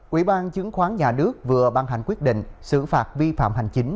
ủy ban chứng khoán nhà nước vừa ban hành quyết định xử phạt vi phạm hành chính